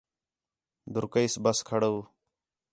دُر کیئس بس کھڑ آؤ